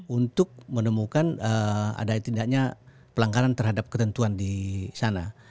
untuk menemukan ada tidaknya pelanggaran terhadap ketentuan di sana